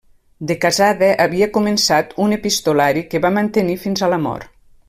De casada havia començat un epistolari que va mantenir fins a la mort.